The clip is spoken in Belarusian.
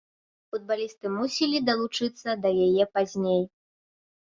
Футбалісты мусілі далучыцца да яе пазней.